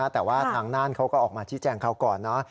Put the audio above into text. แต่ว่าทางน่านเขาก็ออกมาชี้แจงเขาก่อนนะ